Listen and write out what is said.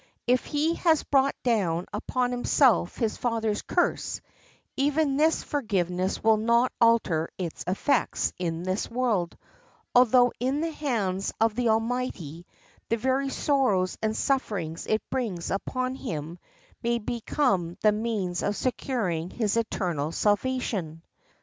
If he has brought down upon himself his father's curse, even this forgiveness will not alter its effects in this world, although in the hands of the Almighty the very sorrows and sufferings it brings upon him may become the means of securing his eternal salvation.